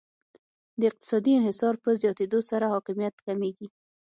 د اقتصادي انحصار په زیاتیدو سره حاکمیت کمیږي